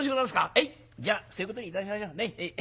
はいじゃあそういうことにいたしましょう。